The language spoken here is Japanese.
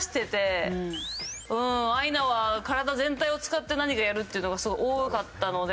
アイナは体全体を使って何かやるっていうのがすごい多かったので。